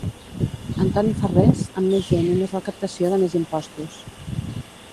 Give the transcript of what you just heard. Antoni Farrés, amb més gent i més recaptació de més impostos